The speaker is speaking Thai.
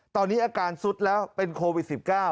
ตอนนี้อาการสุดแล้วเป็นโควิด๑๙